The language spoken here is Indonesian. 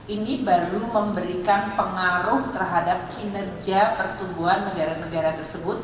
ini baru memberikan pengaruh terhadap kinerja pertumbuhan negara negara tersebut